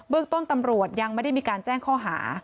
เรื่องต้นตำรวจยังไม่ได้มีการแจ้งข้อหา